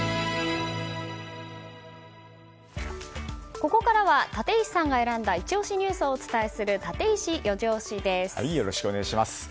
ここからは、立石さんが選んだイチ推しニュースをお伝えするよろしくお願いします。